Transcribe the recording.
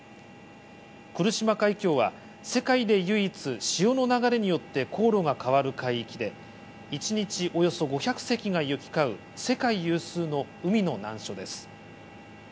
来島海峡は世界で唯一、潮の流れによって航路が変わる海域で、一日およそ５００隻が行きかう世界有数の海の難所です。